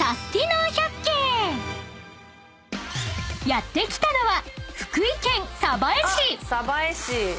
［やって来たのは］